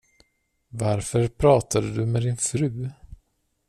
Varför pratade du med din fru?